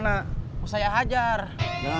masukkan kasanah percopetan